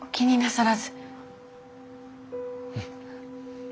うん。